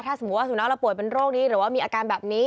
ถ้าสมมุติว่าสุนัขเราป่วยเป็นโรคนี้หรือว่ามีอาการแบบนี้